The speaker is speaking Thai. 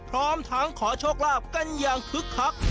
พร้อมทั้งขอโชคลาภกันอย่างคึกคัก